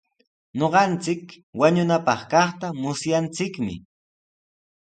Ñuqanchik wañushunpaq kaqta musyanchikmi.